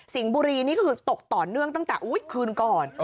บุรีนี่ก็คือตกต่อเนื่องตั้งแต่คืนก่อน